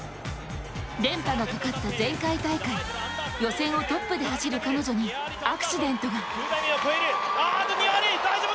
連覇がかかった前回大会、予選をトップで走る彼女にアクシデントが。